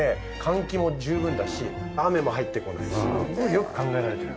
よく考えられてる。